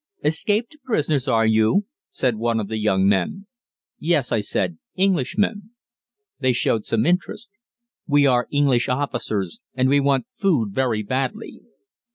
"Escaped prisoners, are you?" said one of the young men. "Yes," I said, "Englishmen." They showed some interest. "We are English officers, and we want food very badly."